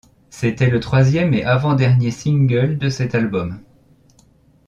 C'était le troisième et avant-dernier single de cet album.